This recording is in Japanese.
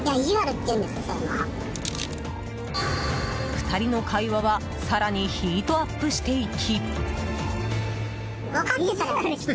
２人の会話は更にヒートアップしていき。